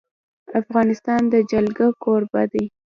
افغانستان د جلګه کوربه دی.